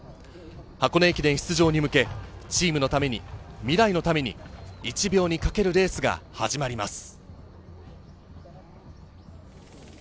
箱根駅伝出場に向け、チームのために、未来のために、１秒にかけるレースが始まります。